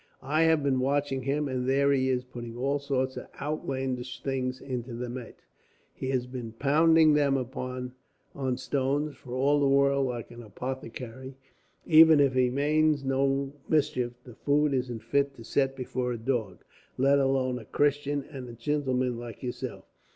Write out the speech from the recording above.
I have been watching him, and there he is putting all sorts of outlandish things into the mate. He's been pounding them up on stones, for all the world like an apothecary, and even if he manes no mischief, the food isn't fit to set before a dog, let alone a Christian and a gintleman like yourself.